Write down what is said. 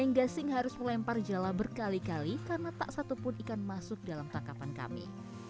yang gasing harus melempar jala berkali kali karena tak satupun ikan masuk dalam tangkapan kami